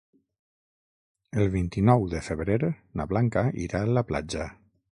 El vint-i-nou de febrer na Blanca irà a la platja.